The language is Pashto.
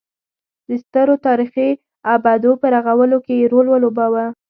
د سترو تاریخي ابدو په رغولو کې یې رول ولوباوه.